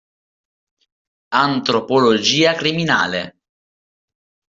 Antropologia criminale